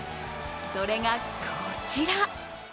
それがこちら。